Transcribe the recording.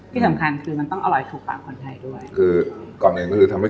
ที่สำคัญคือมันต้องอร่อยถูกปากของใครด้วย